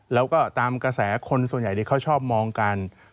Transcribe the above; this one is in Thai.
แล้วก็ตามกระแสคนส่วนใหญ่เขาชอบมองกัน